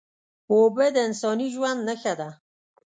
اوبه د انساني ژوند نښه ده